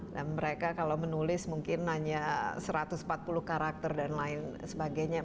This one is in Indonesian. dan mereka kalau menulis mungkin hanya satu ratus empat puluh karakter dan lain sebagainya